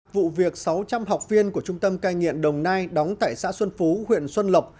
vụ việc sáu trăm linh học viên của trung tâm cai nghiện đồng nai đóng tại xã xuân phú huyện xuân lộc